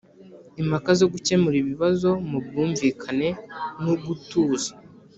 impaka zo gukemura ibibazo mu bwumvikane nugutuza